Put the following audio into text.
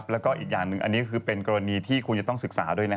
แล้วก็อีกอย่างหนึ่งอันนี้ก็คือเป็นกรณีที่คุณจะต้องศึกษาด้วยนะฮะ